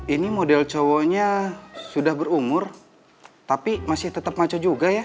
ini model cowoknya sudah berumur tapi masih tetap maco juga ya